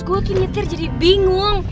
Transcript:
gue makin nyetir jadi bingung